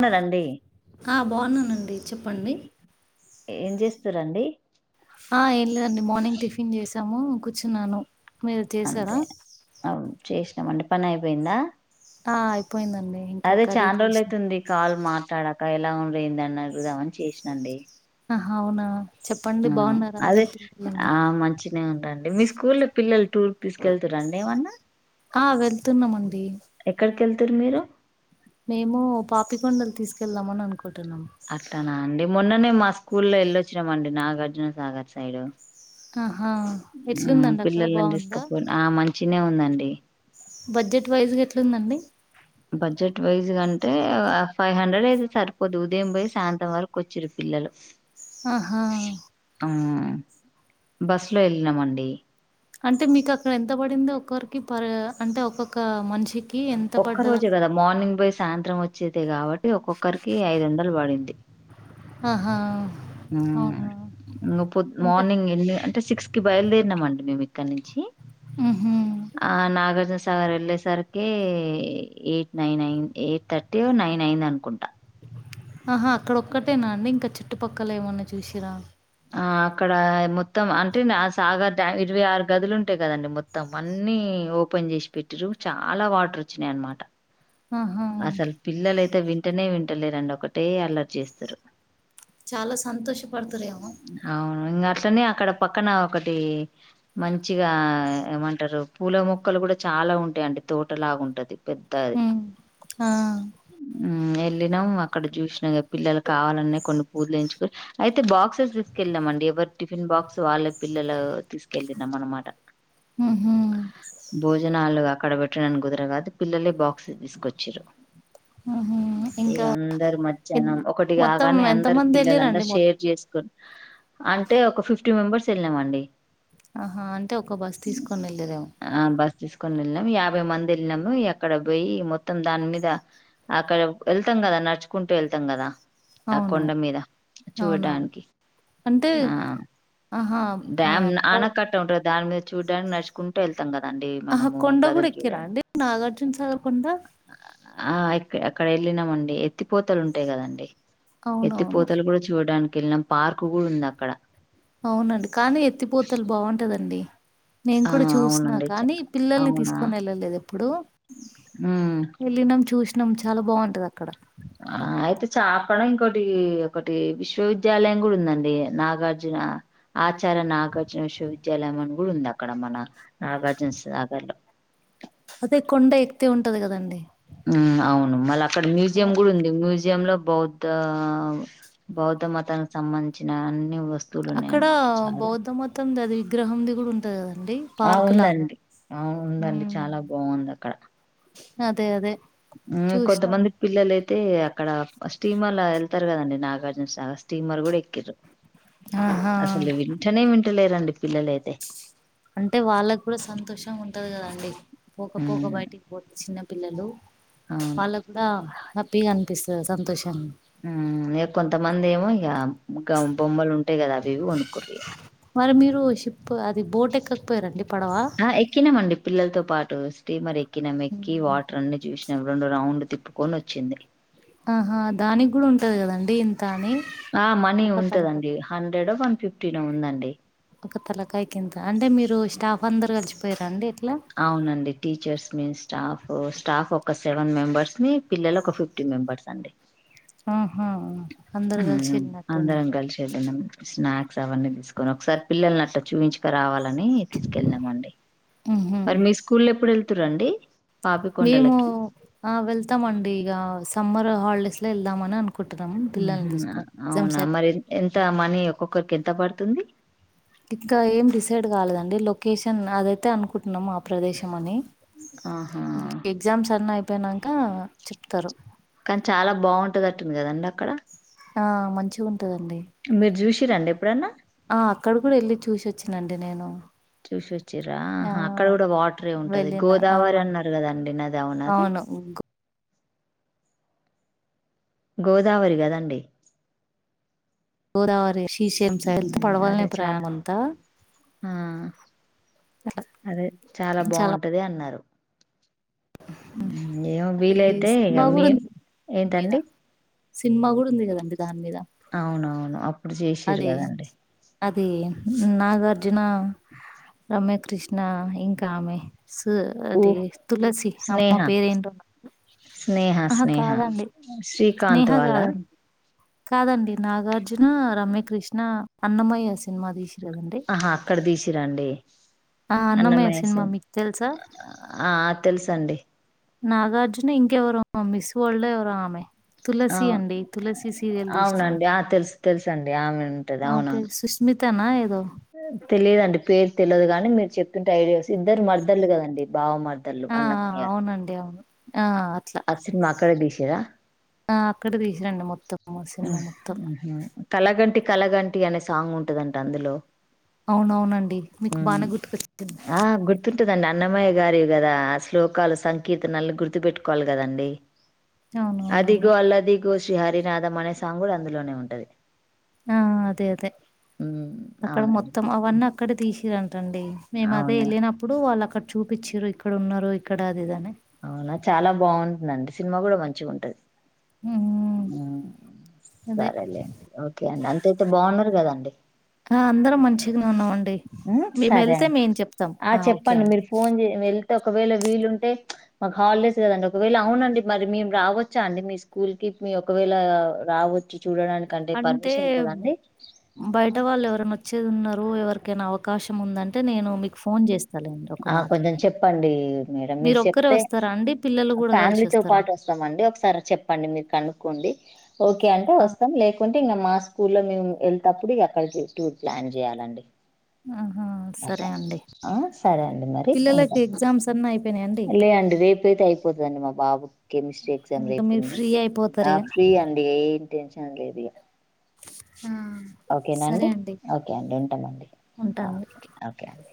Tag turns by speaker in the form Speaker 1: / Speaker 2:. Speaker 1: ఉన్నదండి
Speaker 2: ఆ బాగున్నానండి చెప్పండి
Speaker 1: ఏం చేస్తురండి
Speaker 2: ఆ ఏం లేదండి మార్నింగ్ టిఫిన్ చేసాము కూర్చున్నాను మీరు చేసారా
Speaker 1: చేసినాం అండి పని అయిపోయిందా
Speaker 2: ఆ అయిపో
Speaker 1: అదే చాన్డ్రోజులైతుంది కాల్ మా ట్లడక ఎలా ఉండ్రు ఏందీ అని అడుగుదామని చేసినాండి
Speaker 2: ఆహ అవునా చెప్పండి
Speaker 1: ఆ
Speaker 2: బాగున్నారా
Speaker 1: అదే
Speaker 2: అందరు పిల్లలందరూ?
Speaker 1: ఆ మంచి నే ఉండ్రండి మీ స్కూల్లో పిల్లలు టూర్ తీసుకెళ్తు రండి ఏమన్నా
Speaker 2: ఆ! వెళ్తున్నామండి.
Speaker 1: ఎక్కడ్ కెళ్తరు మీరు
Speaker 2: మేము పాపికొండలు తీసుకెళ్దామని అనుకుం టున్నం
Speaker 1: అట్లానా అండి మొన్ననే మా స్కూల్ లో వెళ్ళొచ్చినమండి నాగార్జునసాగర్ సైడ్
Speaker 2: ఆహా!
Speaker 1: ఉం
Speaker 2: ఎట్లుందండి అక్కడ
Speaker 1: పిల్లల్ని
Speaker 2: బావుందా?
Speaker 1: తీసుకపో ఆ మంచి నే ఉందండి
Speaker 2: బడ్జెట్ వైజ్ గా ఎట్లుందండి
Speaker 1: బడ్జెట్ వైజ్ గా అంటే ఫైవ్ హండ్రెడ్ అయితే సరిపోదు ఉదయం పోయి సాయంత్రం వరకు వచ్చిరు పిల్లలు
Speaker 2: ఆహా
Speaker 1: బస్ లొ ఎల్లినామండి
Speaker 2: అంటే మీకు అక్కడ ఎంత పడిందో ఒక్కోరికి పరె అంటే ఒక్కొక్క మనిషికి ఎంత
Speaker 1: ఒక్క
Speaker 2: పడ్డద
Speaker 1: రోజె కదా మార్నింగ్ పొయ్ సాయంత్రం వచ్చేదె కాబట్టి ఒక్కొక్కరికి ఐదొందలు పడింది డి
Speaker 2: ఆహా
Speaker 1: ఊమ్
Speaker 2: అవునా?
Speaker 1: నువ్ పొద్
Speaker 2: అంటే
Speaker 1: మార్నింగ్ ఎన్ని అంటే సిక్స్ కి బయిల్దేరినామండి మేమ్ ఇక్కడ్ నించి
Speaker 2: ఉహు
Speaker 1: ఆ నాగార్జున స తార్ ఎళ్ళేసరికీ ఎయిట్ నైన్ అయిన్ ఎయిట్ థర్టీయో నైన్ అయింద అనుకుంటా
Speaker 2: ఆహా అక్కడ ఒక్కటేనా అండి ఇంక చుట్టుపక్కల ఏమన్నా చూసిర్ర
Speaker 1: ఆ అక్కడా మొత్తం అంటే సాగర్ డ్యామ్ ఇరవై ఆరు గదులు ఉంటయ్ కదండి మొత్తం అన్నీ ఓపెన్ చేసి పెట్టిర్రు చాలా వాటర్ వొచ్చినయ్ అన్మాట
Speaker 2: ఆహా
Speaker 1: అసల్ పిల్లలయితె వింటనే వింటలేరండి ఒకటే అల్లర్ చేస్తరు
Speaker 2: చాల సంతోష్పడుతరేమో
Speaker 1: తనే అక్కడ పక్కన ఒకటీ మంచిగా ఏమంటరు పూల మొక్కలు కూడా చాలా ఉంటాయండి తోటలాగుంటది పెద్దది
Speaker 2: ఉమ్ ఆ
Speaker 1: ళ్ళినాం అక్కడ చూసిన గద్ పిల్లలు కావాలని కొన్ని పూజలు ఎంచుకని అయితె బాక్సెస్ తీసుకెల్లాం అండి ఎవరు టిఫిన్ బాక్స్ వాళ్ళ పిల్లలూ తీసుకెళ్ళినం అనమాట
Speaker 2: ఉహు
Speaker 1: భోజనాలు అక్కడ పెట్టినని కుదరగాదు పిల్లలే బాక్స్ తీసుకె కొచ్చిర్రు
Speaker 2: ఉహు
Speaker 1: ఇగ
Speaker 2: ఇంకా
Speaker 1: అందరు
Speaker 2: ఎన్
Speaker 1: మధ్యాహ్నం ఒకటి
Speaker 2: మొత్తం
Speaker 1: కాగానే
Speaker 2: ఎంత
Speaker 1: అందర్
Speaker 2: మంది వెళ్ళిరండి
Speaker 1: పిల్లలందరు
Speaker 2: మొ
Speaker 1: షేర్ చేసుకున్ అంటే ఒక ఫిఫ్ట్ ఫ్టీ మెంబెర్స్ ఎళ్ళినావండి
Speaker 2: ఆహా అంటె ఒక బస్ తీసుకొని ఎళ్ళరేమో
Speaker 1: ఆ బస్ తీసుకొని ఎళ్ళినామ్ యాభై మంది ఎ ళ్ళినాము ఎక్కడ పొయ్ మొత్ త్తం దాని మీద అక్కడ వెళ్తాం కద నడ్చు కుంటూ వెళ్తాం కదా ఆ
Speaker 2: అవును
Speaker 1: కొండ మీద
Speaker 2: అవునవును
Speaker 1: చూడ్డానికి
Speaker 2: అంటే
Speaker 1: ఆ
Speaker 2: ఆహా ఆ
Speaker 1: డ్యాం
Speaker 2: ప
Speaker 1: ఆనకట్ట ఉంటది కద దాని మీద చూడ్డానికి నడ్చుకుంటూ వెళ్తాంగద
Speaker 2: ఆహా కొండ కూడ ఎక్కిరా అండి నాగార్జున సాగర్ కొండ
Speaker 1: ఆ ఇక్ అక్కడ వెళ్ళినామండి ఎత్తిపోతలు ఉంటయ్ కదండి
Speaker 2: అవునవును
Speaker 1: ఎత్తిపోతలు కూడ చూడ్డానికి కెళ్ళినం పార్కు కూడ ఉంద అక్కడ
Speaker 2: అవునండి కానీ ఎత్తిపోతల్ బాంటదండి నేన్
Speaker 1: ఆ
Speaker 2: కూడ చూస్న
Speaker 1: అవునండి చ
Speaker 2: కానీ పిల్లల్ని
Speaker 1: అవునా
Speaker 2: తీసుకొని వెళ్ళలేదు ఎప్ ఇప్పుడు
Speaker 1: ఉమ్
Speaker 2: వెళ్ళినాం చూష్ నం చాల బాంటది అక్కడ
Speaker 1: ఆ అయితె చాప ఇంకోటీ ఒకటి విశ్వవిద్యాలయం కూడ ఉందండి. నాగార్జున ఆచార్య నాగార్జున విశ్వవిద్యాలయం అని కూడ ఉంది. అక్కడ మన నాగార్జునసాగర్
Speaker 2: ఇ కొండ ఎక్కితే ఉంటది కదండి.
Speaker 1: ఉమ్ అవు మల్ల అక్కడ మ్యూజియం కూడా ఉం మ్యూజ్ జ్యంలో బౌద్ధ బౌద్ధ మతానికి సంబంధించిన వస్తువులు ఉన్నాయ
Speaker 2: అక్కడ
Speaker 1: అన్నమాట చాలా
Speaker 2: బౌద్ధ మతంది అది విగ్రహంది కూడా ఉంటది కదండి
Speaker 1: ఆ
Speaker 2: పార్క్ లాగా.
Speaker 1: ఉందండి అవును
Speaker 2: ఊ
Speaker 1: ఉందండి చాలా
Speaker 2: అదే అదే
Speaker 1: ఊ
Speaker 2: చూసినాం.
Speaker 1: కొంతమంది పిల్లలయి అయితే అక్కడ స్టీమర్ లా వెళ్తారు కదండి. నాగార్జున సాగర్ స్టీమర్ కూడా ఎక్కిరు.
Speaker 2: ఆహా!
Speaker 1: అసలే వింటనే విన్ పట్టలేరండి పిల్లలైతే
Speaker 2: అంటే వాళ్ళకి కూడా సంతోషం ఉంటది కదండి. పోకపోక
Speaker 1: ఉమ్
Speaker 2: బయటికి పో చిన్న పిల్లలు
Speaker 1: అవును
Speaker 2: వాళ్ళకుందాహ హ్యాపీగా అనిపిస్తది సంతోషాన్ని
Speaker 1: ఇక కొంతమంది ఏమో ఇగ బొమ్మలు ఉంటాయి కదా అవి ఇవి కొనుకురి.
Speaker 2: మరి మీరు షిప్ అది బోట్ ఎక్కకపోయారండి. పడవ
Speaker 1: ఆ ఎక్కి మండి పిల్లలతో పాటు స్టీమర్ ఎక్ క్కినం ఎక్కి
Speaker 2: ఉమ్
Speaker 1: వాటర్ అన్ని చూసి రెండు రౌండ్ తిప్పుకొని వచ్చింది.
Speaker 2: ఆహా దానికి కూడా ఉంటది కదండి. ఇంత అని
Speaker 1: ఆ మనీ
Speaker 2: ఒక తలకాయ్
Speaker 1: ఉంటదండి హండ్రెడ్ ఒ వన్ ఫిఫ్ పుట్టిన ఉందండి
Speaker 2: పక్కతలకాయకిింద అంటే మీరు స్టాఫ్ అందరు కలిసిపో రండి
Speaker 1: అవునండి టీచర్స్ మీన్ స్టాఫ్ స్టాఫ్ ఒక సెవెన్ మెంబర్స్ ని. పిల్లలు ఒక ఫిఫ్టీ మెంబెర్స్ అండి.
Speaker 2: ఆహా అందరు కలిసి
Speaker 1: ఉమ్
Speaker 2: వెళ్ళినట్టుంది
Speaker 1: అందరం కలిసి చేద్దనం స్నాక్స్ ఒకే అవన్నీ తీసుకొని ఒకసారి పిల్లలని అట్ల చూపించక రావాలి. ని తీకెళ్ళమండి.
Speaker 2: ఉహు
Speaker 1: మరి మీ స్కూల్ ఎప్పుడు వెల్ తురండి.
Speaker 2: మేమూ ఆ వెళ్తామండి ఇగా స్ సమ్మర్ హాలిడేస్ లో ఎల్
Speaker 1: ఊహూ.
Speaker 2: ఎగ్జామ్స్
Speaker 1: అవునా
Speaker 2: అయి
Speaker 1: మరి ఎంతా మనీ ఒక్కొక్క్ ఒకరికి ఎంత పడుతుందీ.
Speaker 2: ఇంకా ఏం డిసైడ్ కాలేదండి లొకేషన్ అదైతే అనుకుట్ టున్నము ఆ ప్రదేశం అనీ.
Speaker 1: ఆహా
Speaker 2: ఎగ్జామ్స్ అన్నీ అయిప్ పోయినంకా చెప్తరు.
Speaker 1: కానీ చాలా బాగుంటదట్టుంది కదండి అక్కడా.
Speaker 2: ఆ మంచిగుంట్
Speaker 1: మీరు చూశిర్రా అండి ఎప్పుడన్నా.
Speaker 2: ఆ అక్కడ కూడా వెళ్ళి చూసొచ్చినండి నేను
Speaker 1: చూశి వచ్చిర్రా
Speaker 2: ఆ
Speaker 1: హా అక్కడ కూడా వాటరే ఉంటది,
Speaker 2: వెళ్ళిన ఆ
Speaker 1: గోదావరి అన్నారు కదండి నది అవునాది.
Speaker 2: అవును
Speaker 1: గోదావరి కదండి.
Speaker 2: గోదావరే.
Speaker 1: ఉమ్ అదే చాలా, ఆ అదే చాలా బాగుంటది అన్నారు. ఉమ్ ఏమో
Speaker 2: అది
Speaker 1: వీలైతే ఇగ
Speaker 2: సినిమా కూడా
Speaker 1: మేం
Speaker 2: ఉంది దాని మీద
Speaker 1: ఏంటండి.
Speaker 2: సినిమా కూడా ఉంది గద అండి.
Speaker 1: అవునవును అప్పుడు చేశిర్రు కదండి.
Speaker 2: అదీ నాగర్ ర్జునా రమ్యకృష్ నా ఇంకా ఆమె సు
Speaker 1: ఊ
Speaker 2: అదీ
Speaker 1: స్నేహ స్నేహ
Speaker 2: ఆహా
Speaker 1: స్నేహ
Speaker 2: కాదండి స్నేహ
Speaker 1: శ్రీకాంత్ వాలా
Speaker 2: కాదండి కాదండి. నాగార్జునా రమ్యకృష్ణా అన్నమయ్య సినిమా తీశి
Speaker 1: ఆహా అక్కడ తీశిరాండి.
Speaker 2: ఆ!
Speaker 1: అన్నమయ్య
Speaker 2: సినిమా
Speaker 1: సీన్
Speaker 2: మీకు తెలుసా?
Speaker 1: ఆ ఆ తెల్స్ అండి.
Speaker 2: నాగార్జున ఇంకెవరో మిస్ వర్ల్డ్ ఎవరో ఆమె.
Speaker 1: ఆ
Speaker 2: తులసీ అండి తులసి సీరియల్ తీశినామె.
Speaker 1: అవునండి ఆ తెలుసు తెలుసండి ఆమెన్
Speaker 2: ఆమె పేరు సుష్మిత్ తానా ఏదో.
Speaker 1: తెలీదండి పేరు తెల్వదు గాని, మీరు చెప్తుంటే ఐడియా వస్ ఇద్దరు మర్దళ్ళు కదండి బావ మర్ద.
Speaker 2: ఆ ఆ అవునండి అవును. ఆ! అట్లా.
Speaker 1: అ సినమా అక్కడే తీశి ర్రా
Speaker 2: ఆ అక్కడ తీశింరండి మొత్తం. సినిమా
Speaker 1: ఆహ్
Speaker 2: మొత్తం.
Speaker 1: ఆహ కలగంటి కలగంటి అనే సాంగ్ ఉంటుదంట అందులో
Speaker 2: అవునవునండి. మీకు బానే గుర్తుకొచ్చింది.
Speaker 1: ఆ గుర్తుంటదండి అన్నమ్మయ్య గారి కదా శ్లోకలు సంకీర్తనల్ని గుర్తుపెట్టుకోవాలి కాదండి అదిగో
Speaker 2: అవునవునవును.
Speaker 1: అల్లదిగో శ్రీ హరినాథ్ అనే సాంగ్ కూడా అందులోనే ఉంటది
Speaker 2: ఆ అదే అదే
Speaker 1: హ్మ్
Speaker 2: అక్కడ
Speaker 1: అవునండి
Speaker 2: మొత్తం
Speaker 1: గుర్తుంది
Speaker 2: అవన్నీ అక్కడే తీసిరండి అండి మేము అదే
Speaker 1: అవునా
Speaker 2: వెళ్ళినప్పుడు వాళ్ళు అక్కడ చూపిచ్చారు ఇక ఇక్కడ ఉన్నారు ఇక్కడ అది ఇదని
Speaker 1: అవునా చాలా బాగుంటుందండి సినిమా కూడా మంచిగా ఉంటది
Speaker 2: హ్మ్
Speaker 1: ఆ
Speaker 2: అదే
Speaker 1: సరేలే ఓకే అండి అంత అయితే బాగున్నారు కదండి
Speaker 2: ఆ అందరం మంచిగనే ఉన్నామండి.
Speaker 1: ఉ
Speaker 2: మేమెళ్తే మేము
Speaker 1: సరే
Speaker 2: ఎళ్తే
Speaker 1: అండి
Speaker 2: మేం చెప్తాం
Speaker 1: ఆ
Speaker 2: ఓకే
Speaker 1: చెప్పండి
Speaker 2: అని.
Speaker 1: మీరు ఫోన్ చె వెళ ఒకవేళ వీలుంటే మాకు హాలిడేస్ కదండి ఒకవేళ అవునండి మరి మేము రావచ్చా అండి మీ స్కూల్ కి మీరు ఒకవేళ రావచ్చు చూడడానికంటే
Speaker 2: అంటే
Speaker 1: పర్మిషన్ ఉంటదండి
Speaker 2: బయట వాళ్ళు ఎవరన్నావచ్చేది ఉన్నారు పొఎవరికైనా అవకాశం ఉందంటే నేను మీకు ఫోన్ చేస్తా
Speaker 1: ఆ కొంచెం చెప్పండి మేడం మీరు
Speaker 2: ఒక్కరే
Speaker 1: చెప్తే
Speaker 2: వస్తారా అండి పిల్లలు కూడా కలిసి
Speaker 1: ఫ్యామిలీతో
Speaker 2: వస్తారా?
Speaker 1: పాటు వస్తామండి ఒకసారి చెప్పండి మీరు కనుక్కోండి ఓకే అంటే
Speaker 2: ఆ
Speaker 1: వస్తాం లేకు అయితే మా స్కూల్ లో మేము వెళ్ళతేప్పుడు ఇక అక్కడ టూర్ ప్లాన్ చేయ్యాలండి
Speaker 2: ఆహా సరే అండి
Speaker 1: సరే అండి మరి ఉంటా
Speaker 2: పిల్లలకి ఎగ్జామ్స్ అన్నా అయిపోయిన
Speaker 1: లే అండి రేపు అయితే అయిపోతుందండి మా బాబు కెమిస్ట్రీ ఎగ్జామ్
Speaker 2: ఇంక
Speaker 1: రేపు
Speaker 2: మీరు
Speaker 1: ఉంది
Speaker 2: ఫ్రీ
Speaker 1: ఆ
Speaker 2: అయిపోతారిగా.
Speaker 1: ఫ్రీ అండి టెన్షన్ లేదు ఇగ
Speaker 2: ఆ సరే
Speaker 1: ఓకేనాండి
Speaker 2: అండి
Speaker 1: ఓకే అండి ఉంటామండి ఓ
Speaker 2: ఉంటాను
Speaker 1: ఓకే అండి